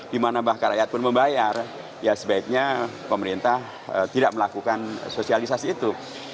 dimana bahkan rakyat pun membayar ya sebaiknya pemerintah tidak melakukan sosialisasi itu